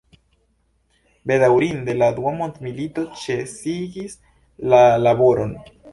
Bedaŭrinde la dua mondmilito ĉesigis la laboron.